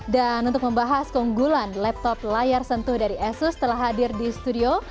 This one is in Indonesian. dan untuk membahas keunggulan laptop layar sentuh dari asus telah hadir di studio